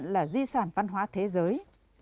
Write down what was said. nhận là di sản văn hóa thế giới